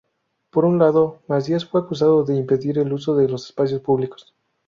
Por un lado, Masías fue acusado de impedir el uso de los espacios públicos.